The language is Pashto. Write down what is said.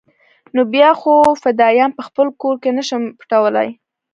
نو بيا خو فدايان په خپل کور کښې نه شم پټولاى.